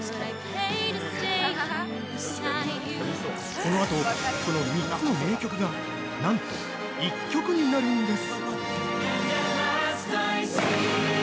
このあと、その３つの名曲がなんと１曲になるんです！